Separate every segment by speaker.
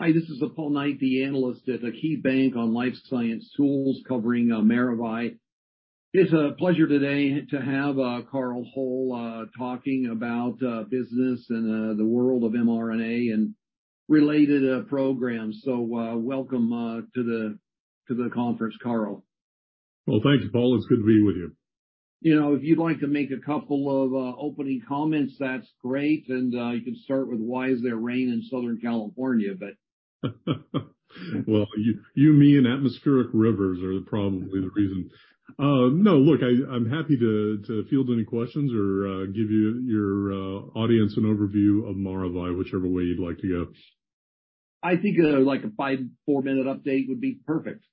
Speaker 1: Hi, this is Paul Knight, the analyst at KeyBanc on Life Science Tools covering Maravai. It's a pleasure today to have Carl Hull talking about business and the world of mRNA and related programs. Welcome to the conference, Carl.
Speaker 2: Well, thanks, Paul. It's good to be with you.
Speaker 1: You know, if you'd like to make a couple of opening comments, that's great. You can start with why is there rain in Southern California.
Speaker 2: Well, you, me, and atmospheric rivers are probably the reason. No, look, I'm happy to field any questions or give your audience an overview of Maravai, whichever way you'd like to go.
Speaker 1: I think, like a 5, 4-minute update would be perfect.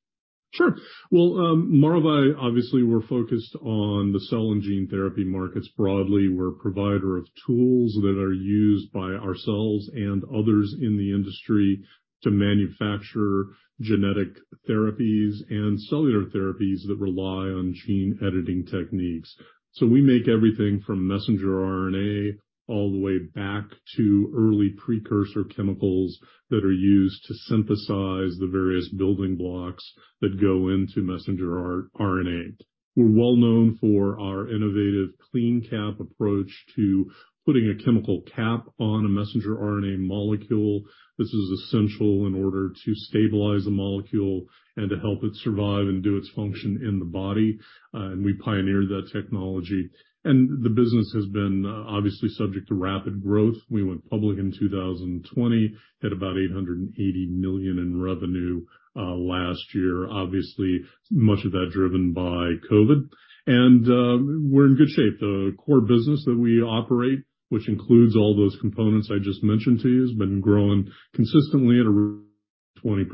Speaker 2: Sure. Maravai, obviously we're focused on the cell and gene therapy markets broadly. We're a provider of tools that are used by ourselves and others in the industry to manufacture genetic therapies and cellular therapies that rely on gene editing techniques. We make everything from messenger RNA all the way back to early precursor chemicals that are used to synthesize the various building blocks that go into messenger RNA. We're well known for our innovative CleanCap approach to putting a chemical cap on a messenger RNA molecule. This is essential in order to stabilize the molecule and to help it survive and do its function in the body. We pioneered that technology. The business has been, obviously subject to rapid growth. We went public in 2020, had about $880 million in revenue, last year, obviously much of that driven by COVID. We're in good shape. The core business that we operate, which includes all those components I just mentioned to you, has been growing consistently at around 20%.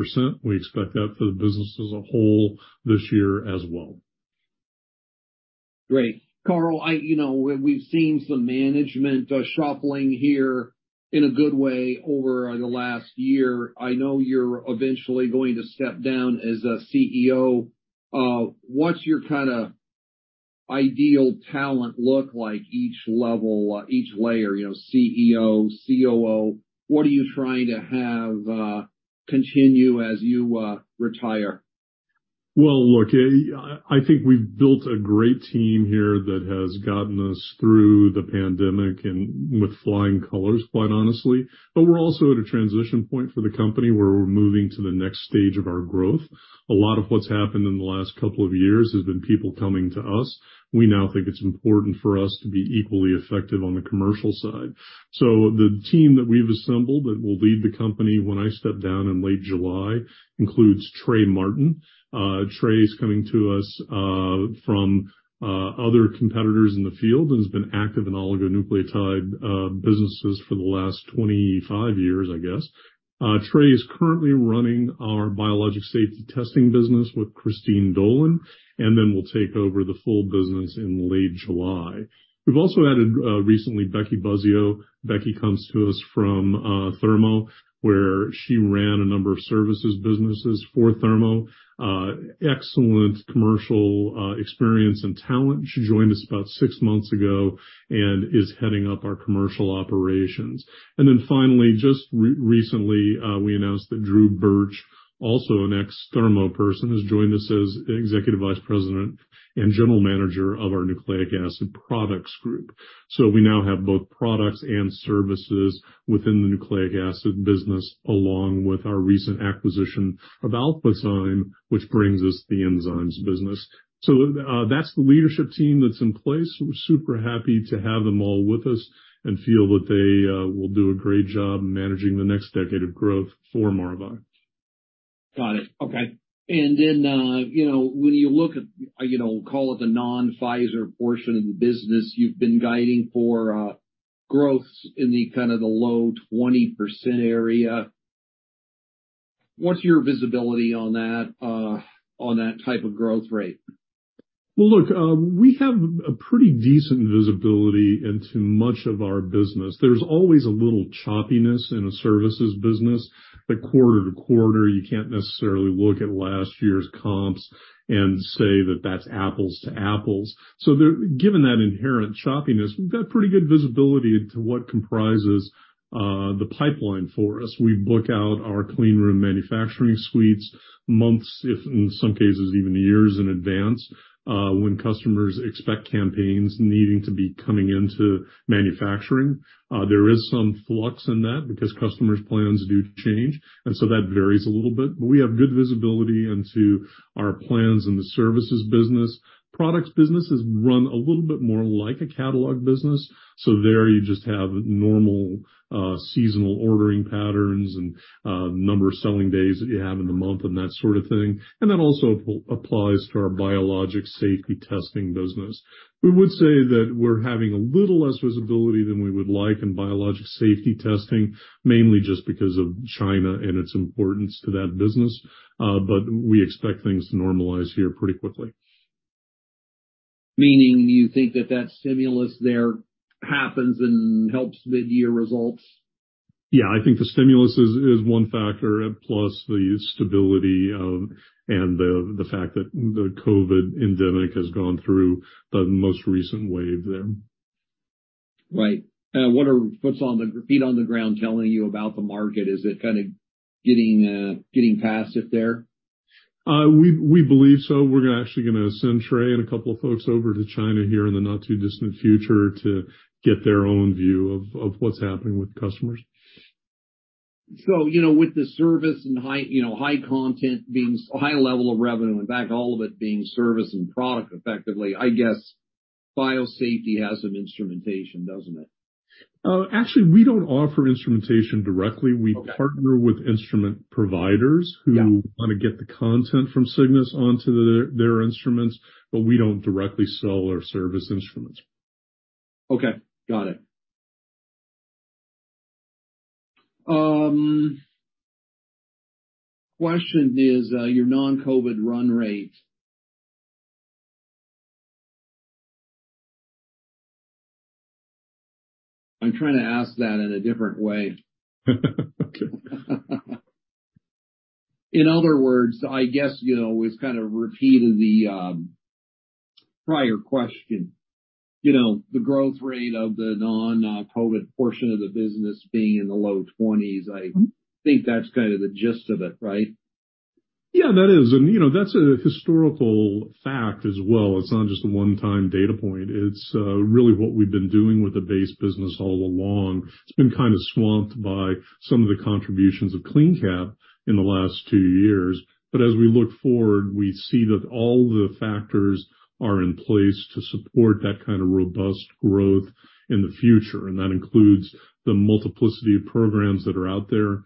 Speaker 2: We expect that for the business as a whole this year as well.
Speaker 1: Great. Carl, you know, we've seen some management shuffling here in a good way over the last year. I know you're eventually going to step down as a CEO. What's your kind of ideal talent look like each level, each layer? You know, CEO, COO, what are you trying to have continue as you retire?
Speaker 2: Well, look, I think we've built a great team here that has gotten us through the pandemic and with flying colors, quite honestly. We're also at a transition point for the company where we're moving to the next stage of our growth. A lot of what's happened in the last couple of years has been people coming to us. We now think it's important for us to be equally effective on the commercial side. The team that we've assembled that will lead the company when I step down in late July includes Trey Martin. Trey's coming to us from other competitors in the field and has been active in oligonucleotide businesses for the last 25 years, I guess. Trey is currently running our biologic safety testing business with Christine Dolan, and then will take over the full business in late July. We've also added recently Becky Buzzeo. Becky comes to us from Thermo, where she ran a number of services businesses for Thermo. Excellent commercial experience and talent. She joined us about 6 months ago and is heading up our commercial operations. Finally, just recently, we announced that Drew Burch, also an ex-Thermo person, has joined us as Executive Vice President and General Manager of our Nucleic Acid Products Group. So we now have both products and services within the nucleic acid business, along with our recent acquisition of Alphazyme, which brings us the enzymes business. That's the leadership team that's in place. We're super happy to have them all with us and feel that they will do a great job managing the next decade of growth for Maravai.
Speaker 1: Got it. Okay. You know, when you look at, you know, call it the non-Pfizer portion of the business, you've been guiding for growth in the kind of the low 20% area. What's your visibility on that on that type of growth rate?
Speaker 2: Well, look, we have a pretty decent visibility into much of our business. There's always a little choppiness in a services business, but quarter to quarter, you can't necessarily look at last year's comps and say that that's apples to apples. Given that inherent choppiness, we've got pretty good visibility to what comprises the pipeline for us. We book out our clean room manufacturing suites months, if in some cases even years in advance, when customers expect campaigns needing to be coming into manufacturing. There is some flux in that because customers' plans do change, that varies a little bit. But we have good visibility into our plans in the services business. Products business is run a little bit more like a catalog business. There you just have normal seasonal ordering patterns and number of selling days that you have in the month and that sort of thing. That also applies to our Biologics Safety Testing business. We would say that we're having a little less visibility than we would like in Biologics Safety Testing, mainly just because of China and its importance to that business. We expect things to normalize here pretty quickly.
Speaker 1: Meaning you think that that stimulus there happens and helps mid-year results?
Speaker 2: Yeah. I think the stimulus is one factor, plus the stability of and the fact that the COVID endemic has gone through the most recent wave there.
Speaker 1: Right. What's on the feet on the ground telling you about the market? Is it kinda getting past it there?
Speaker 2: We believe so. We're actually gonna send Trey and a couple of folks over to China here in the not too distant future to get their own view of what's happening with customers.
Speaker 1: You know, with the service and high, you know, high content high level of revenue, in fact, all of it being service and product effectively, I guess Bio Safety has an instrumentation, doesn't it?
Speaker 2: Actually, we don't offer instrumentation directly.
Speaker 1: Okay.
Speaker 2: We partner with instrument providers.
Speaker 1: Yeah.
Speaker 2: who wanna get the content from Cygnus onto their instruments, but we don't directly sell or service instruments.
Speaker 1: Okay. Got it. Question is, your non-COVID run rate. I'm trying to ask that in a different way.
Speaker 2: Okay.
Speaker 1: In other words, I guess, you know, it's kinda repeated the prior question, you know, the growth rate of the non-COVID portion of the business being in the low 20s. I think that's kind of the gist of it, right?
Speaker 2: Yeah, that is. You know, that's a historical fact as well. It's not just a one-time data point. It's really what we've been doing with the base business all along. It's been kinda swamped by some of the contributions of CleanCap in the last 2 years. As we look forward, we see that all the factors are in place to support that kind of robust growth in the future. That includes the multiplicity of programs that are out there.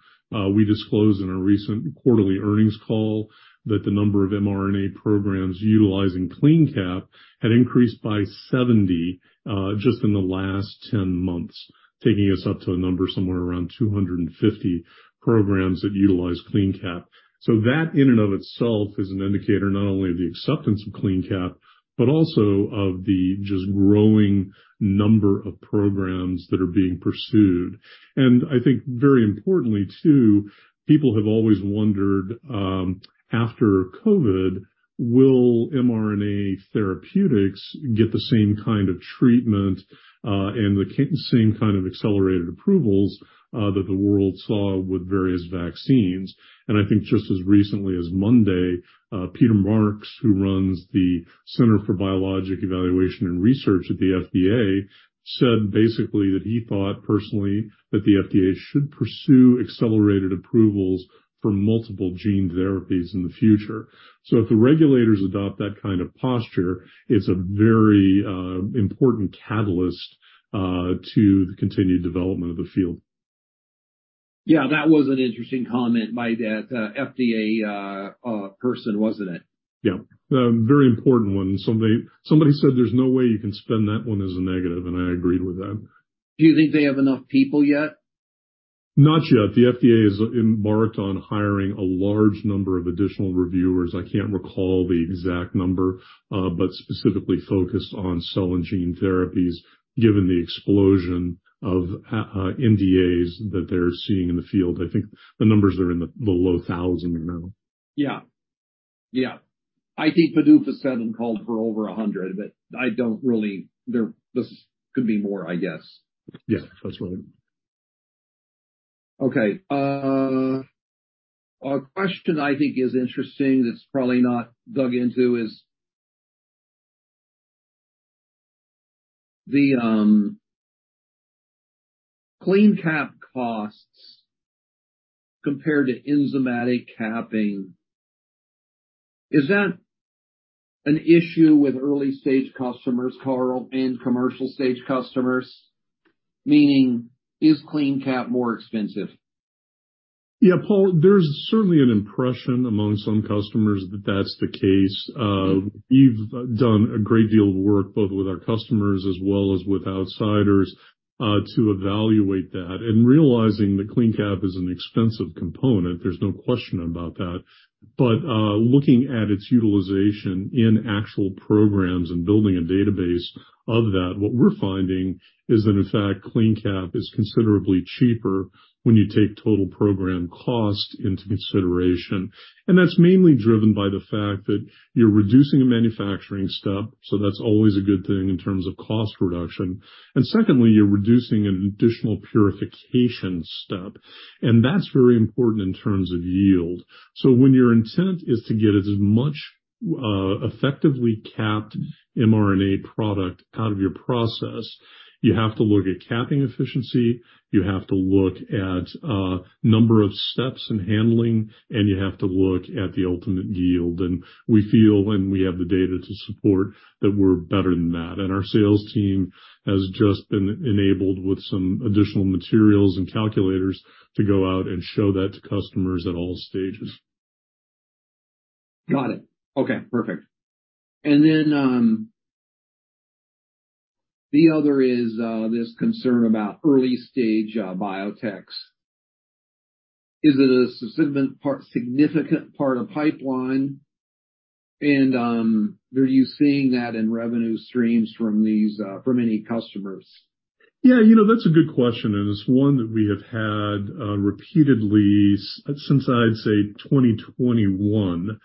Speaker 2: We disclosed in our recent quarterly earnings call that the number of mRNA programs utilizing CleanCap had increased by 70, just in the last 10 months, taking us up to a number somewhere around 250 programs that utilize CleanCap. That in and of itself is an indicator, not only of the acceptance of CleanCap, but also of the just growing number of programs that are being pursued. I think very importantly, too, people have always wondered, after COVID, will mRNA therapeutics get the same kind of treatment and the same kind of accelerated approvals that the world saw with various vaccines. I think just as recently as Monday, Peter Marks, who runs the Center for Biologics Evaluation and Research at the FDA, said basically that he thought personally that the FDA should pursue accelerated approvals for multiple gene therapies in the future. If the regulators adopt that kind of posture, it's a very important catalyst to the continued development of the field.
Speaker 1: Yeah, that was an interesting comment by that FDA person, wasn't it?
Speaker 2: Yeah. A very important one. Somebody said there's no way you can spin that one as a negative, and I agreed with that.
Speaker 1: Do you think they have enough people yet?
Speaker 2: Not yet. The FDA has embarked on hiring a large number of additional reviewers. I can't recall the exact number, but specifically focused on cell and gene therapies, given the explosion of NDAs that they're seeing in the field. I think the numbers are in the low thousand now.
Speaker 1: Yeah. Yeah. I think PDUFA VII called for over 100, but I don't really. There. This could be more, I guess.
Speaker 2: Yeah. Possibly.
Speaker 1: A question I think is interesting, that's probably not dug into is the CleanCap costs compared to enzymatic capping. Is that an issue with early-stage customers, Carl, and commercial stage customers? Meaning, is CleanCap more expensive?
Speaker 2: Paul, there's certainly an impression among some customers that that's the case. We've done a great deal of work, both with our customers as well as with outsiders, to evaluate that. Realizing that CleanCap is an expensive component, there's no question about that. Looking at its utilization in actual programs and building a database of that, what we're finding is that in fact, CleanCap is considerably cheaper when you take total program cost into consideration. That's mainly driven by the fact that you're reducing a manufacturing step. That's always a good thing in terms of cost reduction. Secondly, you're reducing an additional purification step, and that's very important in terms of yield. When your intent is to get as much, effectively capped mRNA product out of your process, you have to look at capping efficiency, you have to look at number of steps in handling, and you have to look at the ultimate yield. We feel, and we have the data to support, that we're better than that. Our sales team has just been enabled with some additional materials and calculators to go out and show that to customers at all stages.
Speaker 1: Got it. Okay, perfect. The other is this concern about early-stage biotechs. Is it a significant part of pipeline? Are you seeing that in revenue streams from these from any customers?
Speaker 2: You know, that's a good question, and it's one that we have had repeatedly since I'd say 2021.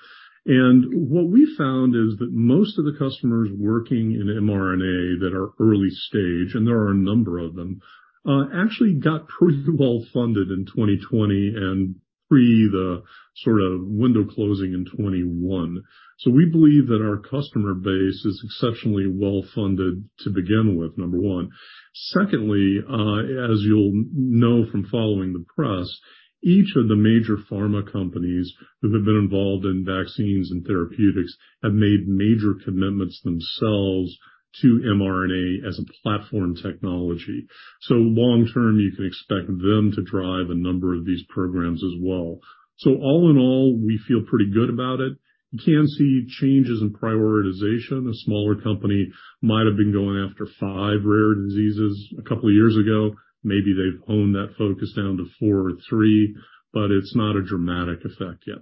Speaker 2: What we found is that most of the customers working in mRNA that are early stage, and there are a number of them, actually got pretty well funded in 2020 and pre the sort of window closing in '21. We believe that our customer base is exceptionally well-funded to begin with, number one. Secondly, as you'll know from following the press, each of the major pharma companies who have been involved in vaccines and therapeutics have made major commitments themselves to mRNA as a platform technology. Long term, you can expect them to drive a number of these programs as well. All in all, we feel pretty good about it. You can see changes in prioritization. A smaller company might have been going after 5 rare diseases a couple of years ago. Maybe they've honed that focus down to 4 or 3, but it's not a dramatic effect yet.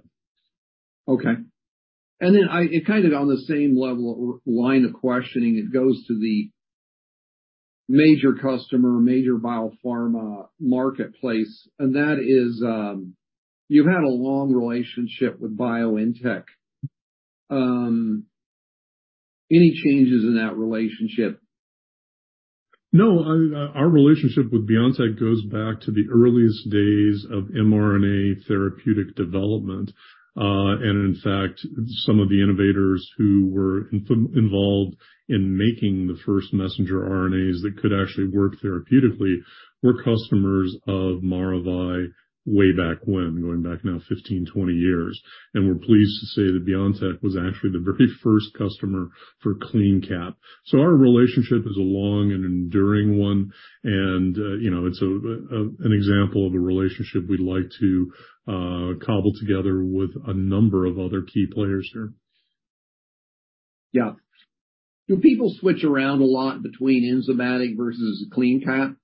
Speaker 1: Okay. Then kind of on the same level or line of questioning, it goes to the major customer, major biopharma marketplace, and that is, you've had a long relationship with BioNTech. Any changes in that relationship?
Speaker 2: No. Our relationship with BioNTech goes back to the earliest days of mRNA therapeutic development. In fact, some of the innovators who were involved in making the first messenger RNAs that could actually work therapeutically were customers of Maravai way back when, going back now 15, 20 years. We're pleased to say that BioNTech was actually the very first customer for CleanCap. Our relationship is a long and enduring one. You know, it's an example of a relationship we'd like to cobble together with a number of other key players here.
Speaker 1: Do people switch around a lot between enzymatic versus CleanCap?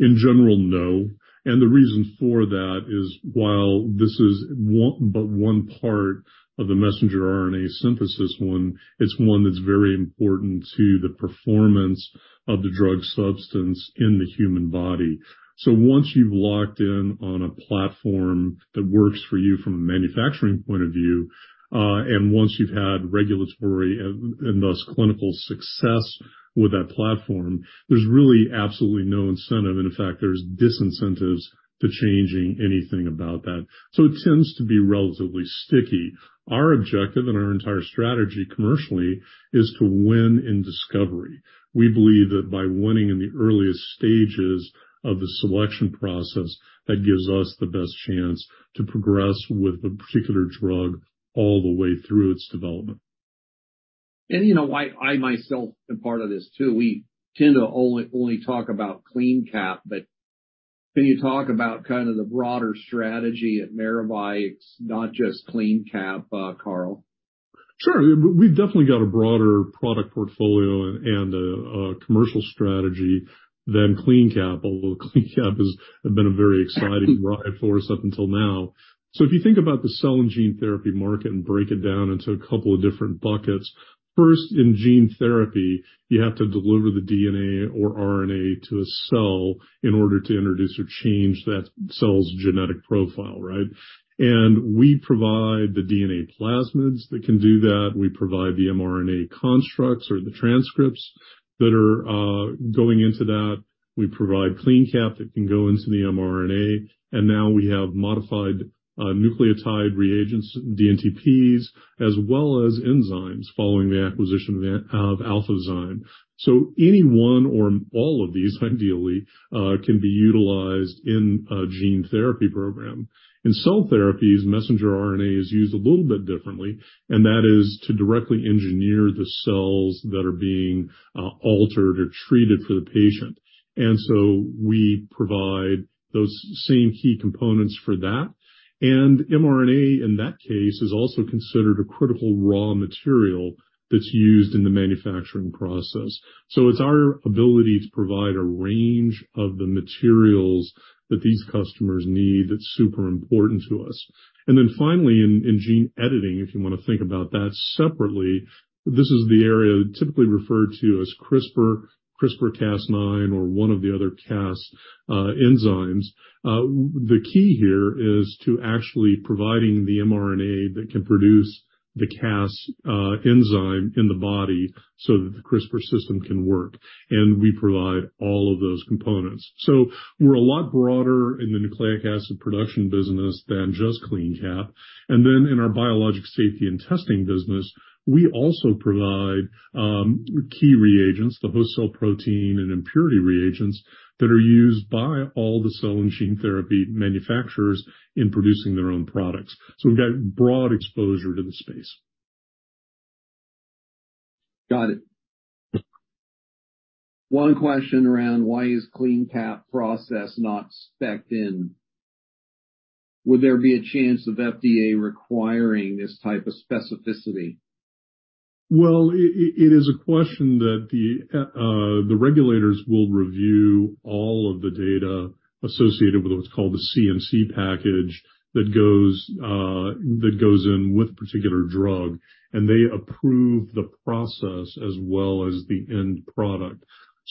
Speaker 2: In general, no. The reason for that is while this is one part of the messenger RNA synthesis, it's one that's very important to the performance of the drug substance in the human body. Once you've locked in on a platform that works for you from a manufacturing point of view, and once you've had regulatory and thus clinical success with that platform, there's really absolutely no incentive. In fact, there's disincentives to changing anything about that. It tends to be relatively sticky. Our objective and our entire strategy commercially is to win in discovery. We believe that by winning in the earliest stages of the selection process, that gives us the best chance to progress with a particular drug all the way through its development.
Speaker 1: You know, I myself am part of this too. We tend to only talk about CleanCap, but can you talk about kind of the broader strategy at Maravai? It's not just CleanCap, Carl.
Speaker 2: Sure. We've definitely got a broader product portfolio and a commercial strategy than CleanCap, although CleanCap has been a very exciting ride for us up until now. If you think about the cell and gene therapy market and break it down into a couple of different buckets, first, in gene therapy, you have to deliver the DNA or RNA to a cell in order to introduce or change that cell's genetic profile, right? We provide the DNA plasmids that can do that. We provide the mRNA constructs or the transcripts that are going into that. We provide CleanCap that can go into the mRNA. Now we have modified nucleotide reagents, dNTPs, as well as enzymes following the acquisition of Alphazyme. Any one or all of these, ideally, can be utilized in a gene therapy program. In cell therapies, messenger RNA is used a little bit differently, and that is to directly engineer the cells that are being altered or treated for the patient. We provide those same key components for that. mRNA, in that case, is also considered a critical raw material that's used in the manufacturing process. It's our ability to provide a range of the materials that these customers need that's super important to us. Finally, in gene editing, if you wanna think about that separately, this is the area typically referred to as CRISPR-Cas9 or one of the other Cas enzymes. The key here is to actually providing the mRNA that can produce the Cas enzyme in the body so that the CRISPR system can work, and we provide all of those components. We're a lot broader in the nucleic acid production business than just CleanCap. In our biologics safety and testing business, we also provide key reagents, the host cell protein and impurity reagents that are used by all the cell and gene therapy manufacturers in producing their own products. We've got broad exposure to the space.
Speaker 1: Got it. One question around why is CleanCap process not spec'd in? Would there be a chance of FDA requiring this type of specificity?
Speaker 2: It is a question that the regulators will review all of the data associated with what's called the CMC package that goes in with a particular drug, and they approve the process as well as the end product.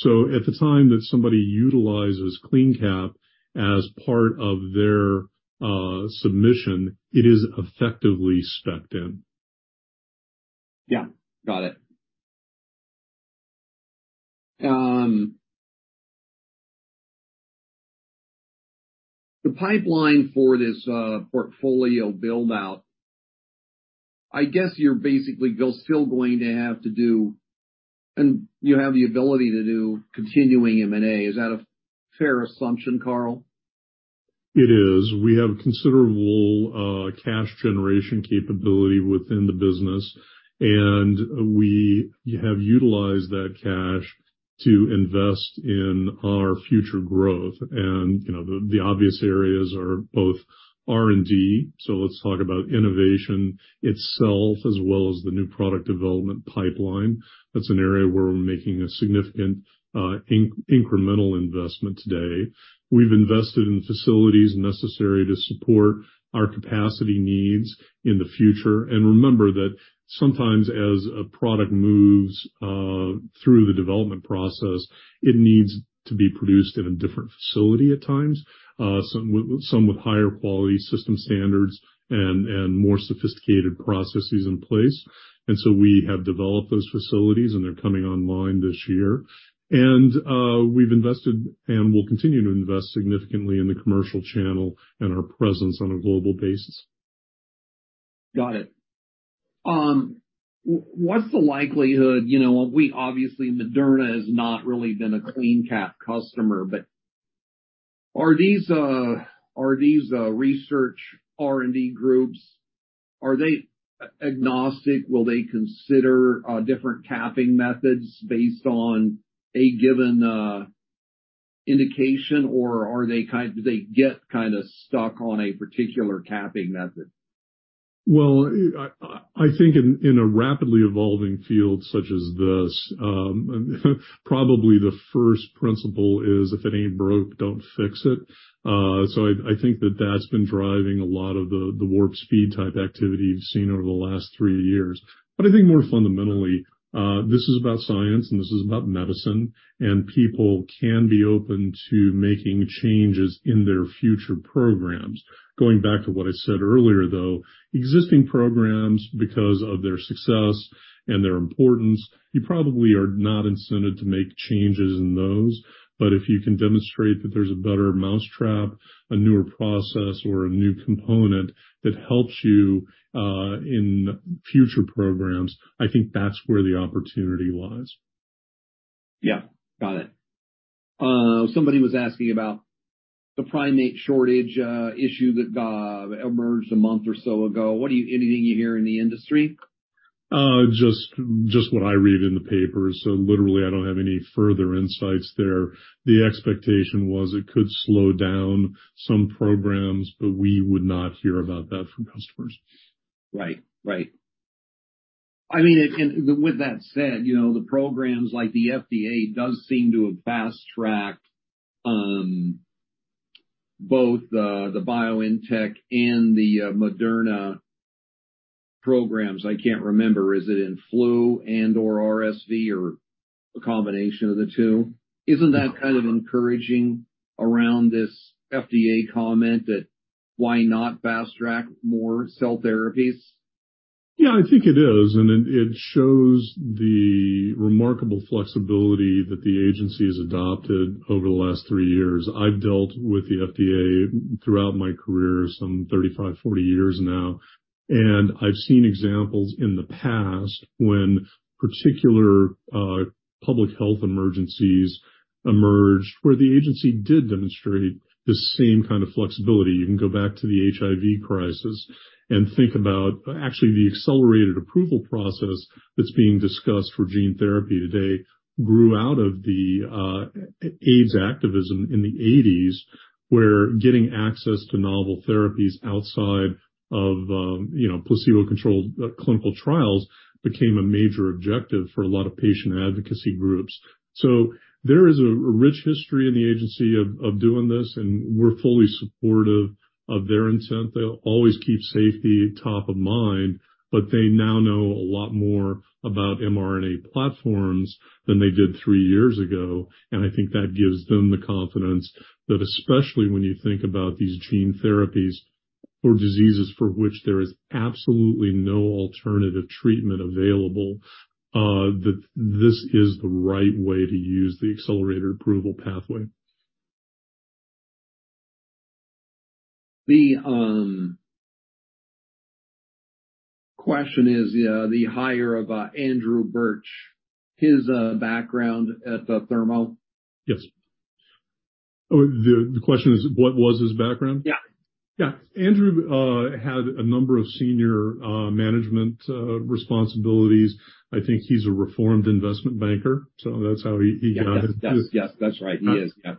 Speaker 2: At the time that somebody utilizes CleanCap as part of their submission, it is effectively spec'd in.
Speaker 1: Yeah. Got it. The pipeline for this portfolio build-out, I guess you're basically still going to have to do, and you have the ability to do continuing M&A. Is that a fair assumption, Carl?
Speaker 2: It is. We have considerable cash generation capability within the business. We have utilized that cash to invest in our future growth. You know, the obvious areas are both R&D, so let's talk about innovation itself as well as the new product development pipeline. That's an area where we're making a significant incremental investment today. We've invested in facilities necessary to support our capacity needs in the future. Remember that sometimes as a product moves through the development process, it needs to be produced in a different facility at times, some with higher quality system standards and more sophisticated processes in place. So we have developed those facilities, and they're coming online this year. We've invested and will continue to invest significantly in the commercial channel and our presence on a global basis.
Speaker 1: Got it. What's the likelihood, you know, we obviously Moderna has not really been a CleanCap customer, but are these research R&D groups, are they agnostic? Will they consider different capping methods based on a given indication, or do they get kind of stuck on a particular capping method?
Speaker 2: Well, I think in a rapidly evolving field such as this, probably the first principle is if it ain't broke, don't fix it. I think that that's been driving a lot of the warp speed type activity you've seen over the last 3 years. I think more fundamentally, this is about science, and this is about medicine, and people can be open to making changes in their future programs. Going back to what I said earlier, though, existing programs because of their success and their importance, you probably are not incented to make changes in those. If you can demonstrate that there's a better mousetrap, a newer process or a new component that helps you in future programs, I think that's where the opportunity lies.
Speaker 1: Yeah. Got it. Somebody was asking about the primate shortage, issue that emerged a month or so ago. Anything you hear in the industry?
Speaker 2: just what I read in the papers. literally, I don't have any further insights there. The expectation was it could slow down some programs, but we would not hear about that from customers.
Speaker 1: Right. Right. I mean, with that said, you know, the programs like the FDA does seem to have fast-tracked, both the BioNTech and the Moderna programs. I can't remember, is it in flu and/or RSV or a combination of the two? Isn't that kind of encouraging around this FDA comment that why not fast-track more cell therapies?
Speaker 2: I think it is, it shows the remarkable flexibility that the agency has adopted over the last three years. I've dealt with the FDA throughout my career, some 35, 40 years now. I've seen examples in the past when particular public health emergencies emerged where the agency did demonstrate the same kind of flexibility. You can go back to the HIV crisis and think about actually the accelerated approval process that's being discussed for gene therapy today grew out of the AIDS activism in the eighties, where getting access to novel therapies outside of, you know, placebo-controlled clinical trials became a major objective for a lot of patient advocacy groups. There is a rich history in the agency of doing this. We're fully supportive of their intent. They'll always keep safety top of mind, but they now know a lot more about mRNA platforms than they did three years ago. I think that gives them the confidence that especially when you think about these gene therapies for diseases for which there is absolutely no alternative treatment available, that this is the right way to use the accelerator approval pathway.
Speaker 1: The question is the hire of Andrew Burch, his background at Thermo.
Speaker 2: Yes. Oh, the question is what was his background?
Speaker 1: Yeah.
Speaker 2: Yeah. Andrew had a number of senior management responsibilities. I think he's a reformed investment banker, that's how he got.
Speaker 1: Yes. Yes. That's right. He is. Yeah.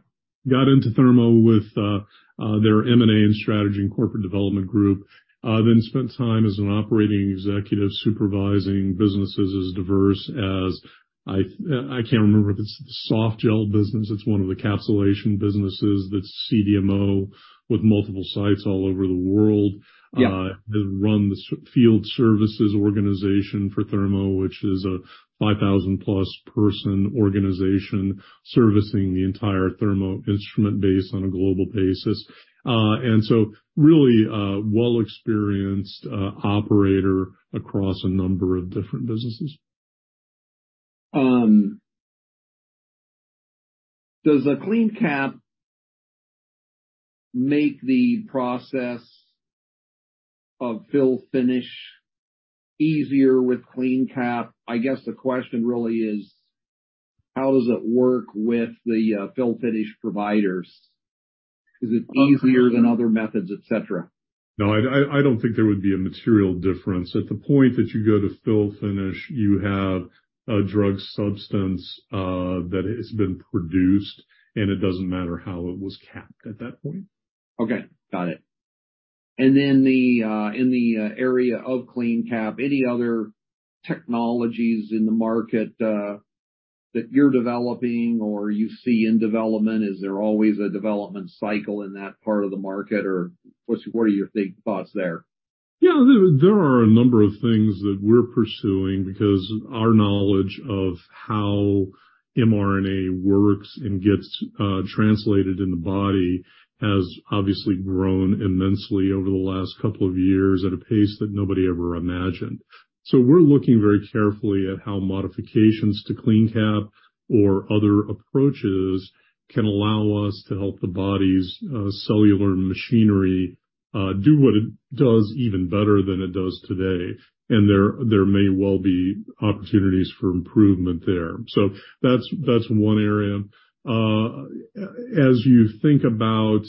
Speaker 2: Got into Thermo with their M&A and strategy and corporate development group. Spent time as an operating executive supervising businesses as diverse as I can't remember if it's softgel business. It's one of the encapsulation businesses that's CDMO with multiple sites all over the world.
Speaker 1: Yeah.
Speaker 2: Has run the field services organization for Thermo, which is a 5,000 plus person organization servicing the entire Thermo instrument base on a global basis. Really, well experienced operator across a number of different businesses.
Speaker 1: Does a CleanCap make the process of fill finish easier with CleanCap? I guess the question really is, how does it work with the fill finish providers? Is it easier than other methods, et cetera?
Speaker 2: No, I don't think there would be a material difference. At the point that you go to fill finish, you have a drug substance that has been produced, and it doesn't matter how it was capped at that point.
Speaker 1: Okay, got it. In the area of CleanCap, any other technologies in the market that you're developing or you see in development, is there always a development cycle in that part of the market? What are your big thoughts there?
Speaker 2: Yeah. There are a number of things that we're pursuing because our knowledge of how mRNA works and gets translated in the body has obviously grown immensely over the last couple of years at a pace that nobody ever imagined. We're looking very carefully at how modifications to CleanCap or other approaches can allow us to help the body's cellular machinery do what it does even better than it does today. There may well be opportunities for improvement there. That's one area. As you think about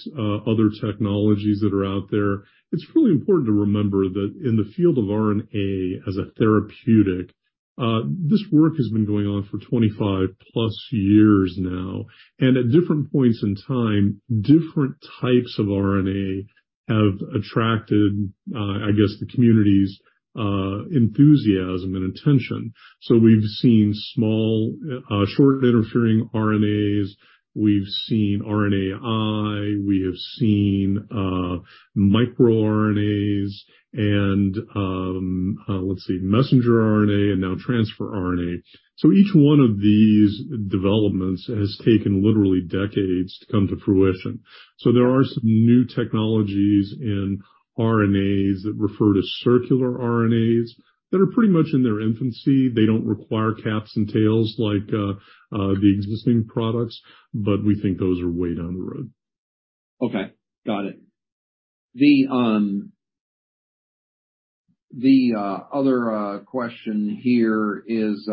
Speaker 2: other technologies that are out there, it's really important to remember that in the field of RNA as a therapeutic, this work has been going on for 25 plus years now, and at different points in time, different types of RNA have attracted, I guess the community's enthusiasm and attention. We've seen small, short interfering RNAs. We've seen RNAi. We have seen microRNAs and, let's see, messenger RNA and now transfer RNA. Each one of these developments has taken literally decades to come to fruition. There are some new technologies in RNAs that refer to circular RNAs that are pretty much in their infancy. They don't require caps and tails like the existing products, but we think those are way down the road.
Speaker 1: Okay, got it. The other question here is...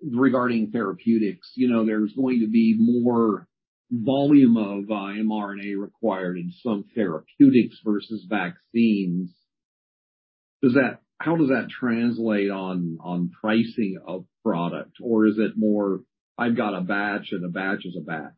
Speaker 1: Regarding therapeutics, you know, there's going to be more volume of mRNA required in some therapeutics versus vaccines. How does that translate on pricing of product? Or is it more I've got a batch and a batch is a batch?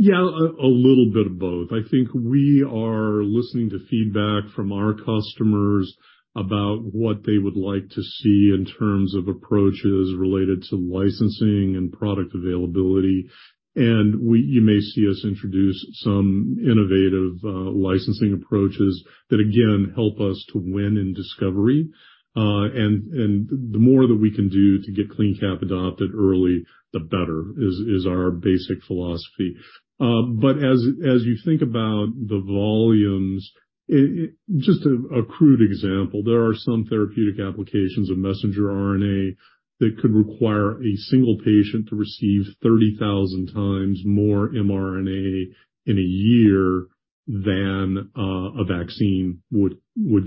Speaker 2: Yeah, a little bit of both. I think we are listening to feedback from our customers about what they would like to see in terms of approaches related to licensing and product availability. You may see us introduce some innovative licensing approaches that again, help us to win in discovery. And the more that we can do to get CleanCap adopted early, the better is our basic philosophy. But as you think about the volumes, just a crude example, there are some therapeutic applications of messenger RNA that could require a single patient to receive 30,000 times more mRNA in a year than a vaccine would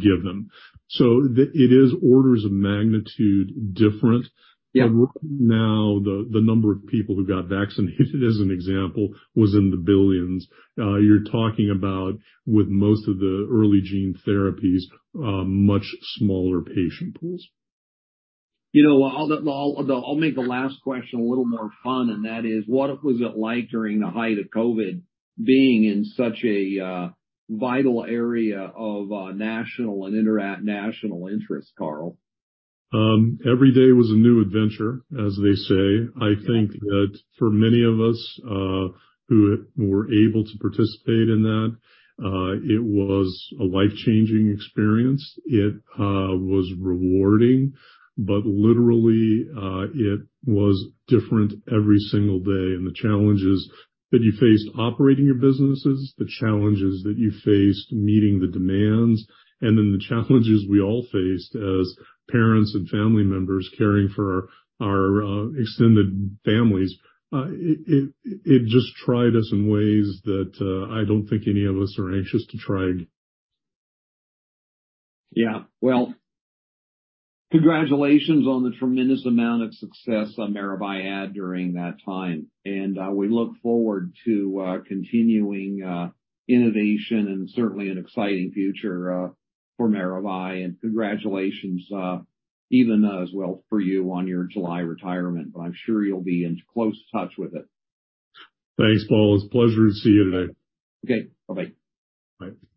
Speaker 2: give them. It is orders of magnitude different.
Speaker 1: Yeah.
Speaker 2: Right now, the number of people who got vaccinated, as an example, was in the billions. You're talking about with most of the early gene therapies, much smaller patient pools.
Speaker 1: You know, I'll make the last question a little more fun, and that is: What was it like during the height of COVID being in such a vital area of national and international interest, Carl?
Speaker 2: Every day was a new adventure, as they say.
Speaker 1: Yeah.
Speaker 2: I think that for many of us, who were able to participate in that, it was a life-changing experience. It was rewarding, but literally, it was different every single day. The challenges that you faced operating your businesses, the challenges that you faced meeting the demands, and then the challenges we all faced as parents and family members caring for our extended families, it just tried us in ways that I don't think any of us are anxious to try again.
Speaker 1: Yeah. Well, congratulations on the tremendous amount of success on Maravai during that time. We look forward to continuing innovation and certainly an exciting future for Maravai. Congratulations even as well for you on your July retirement, but I'm sure you'll be in close touch with it.
Speaker 2: Thanks, Paul. It's a pleasure to see you today.
Speaker 1: Okay. Bye-bye.
Speaker 2: Bye.